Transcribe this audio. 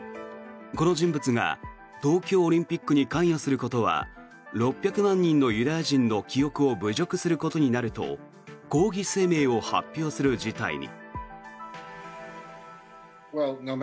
この人物が東京オリンピックに関与することは６００万人のユダヤ人の記憶を侮辱することになると抗議声明を発表する事態に。